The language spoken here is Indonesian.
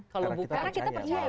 karena kita percaya